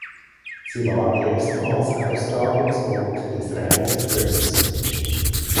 Sie war erstmals Austragungsort des Ryder Cups.